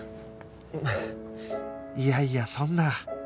いやいやそんな